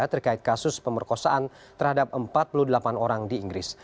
terkait kasus pemerkosaan terhadap empat puluh delapan orang di inggris